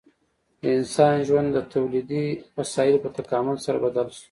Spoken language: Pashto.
د انسان ژوند د تولیدي وسایلو په تکامل سره بدل شو.